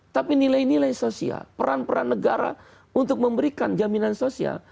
tapi nilai nilai sosial peran peran negara untuk memberikan jaminan sosial